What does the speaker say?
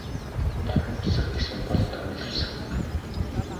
Том үсэр гэсэн бол том л үсэрнэ.